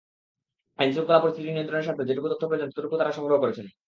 আইনশৃঙ্খলা পরিস্থিতি নিয়ন্ত্রণের স্বার্থে যেটুকু তথ্য প্রয়োজন, ততটুকুই তাঁরা সংগ্রহ করেছেন।